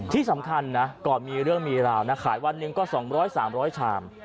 ที่สำคัญนะก่อนมีเรื่องมีราวนะขายวันหนึ่งก็๒๐๐๓๐๐ชาม